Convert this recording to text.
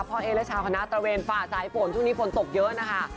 เอ๊และชาวคณะตระเวนฝ่าสายฝนช่วงนี้ฝนตกเยอะนะคะ